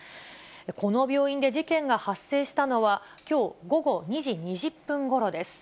この病院で事件が発生したのは、きょう午後２時２０分ごろです。